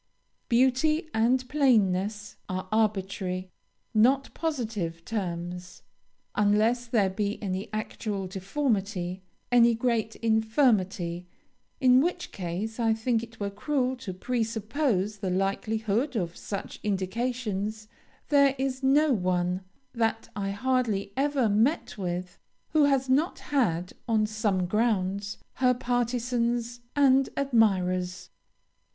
Beauty and plainness are arbitrary, not positive, terms. Unless there be any actual deformity, any great infirmity, in which case I think it were cruel to pre suppose the likelihood of such indications, there is no one, that I hardly ever met with, who has not had, on some grounds, her partizans and admirers.